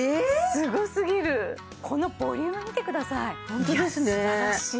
すごすぎるこのボリューム見てください